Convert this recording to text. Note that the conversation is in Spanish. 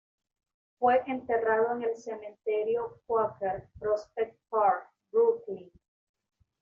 Fue enterrado en el cementerio Quaker, Prospect Park, Brooklyn.